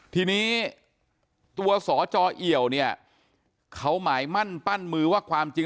ทีนี้ตัวสจเอี่ยวเนี่ยเขาหมายมั่นปั้นมือว่าความจริง